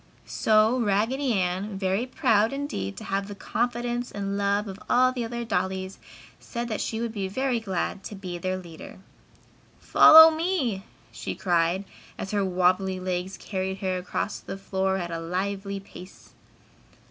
So Raggedy Ann, very proud indeed to have the confidence and love of all the other dollies, said that she would be very glad to be their leader. "Follow me!" she cried as her wobbly legs carried her across the floor at a lively pace.